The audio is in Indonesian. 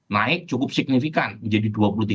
naik cukup signifikan menjadi dua puluh tiga